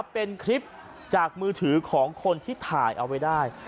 เป็นคลิปจากมือถือของคนที่ถ่ายเอาไว้ได้